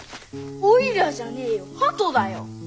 おいらじゃねえよ鳩だよ！